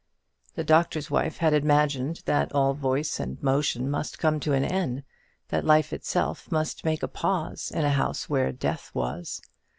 The Doctor's Wife had imagined that all voice and motion must come to an end that life itself must make a pause in a house where death was.